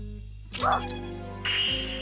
あっ！